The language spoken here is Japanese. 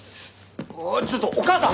ああちょっとお母さん！